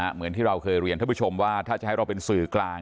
เหมือนที่เราเคยเรียนท่านผู้ชมว่าถ้าจะให้เราเป็นสื่อกลาง